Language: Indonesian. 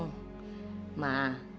mama jangan begitu dong